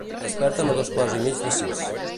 Desperta'm a dos quarts i mig de sis.